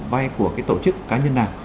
vay của tổ chức cá nhân nào